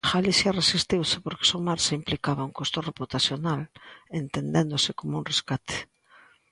Galicia resistiuse porque sumarse implicaba un custo reputacional, entendéndose como un rescate.